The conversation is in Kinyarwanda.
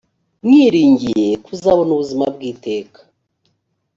mwiringiye kuzabona ubuzima bw’iteka